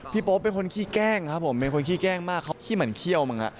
พี่โป๊บเป็นคนขี้แกล้งครับผมเป็นคนขี้แกล้งมากเขาขี้มันเขี้ยวมั้งนะ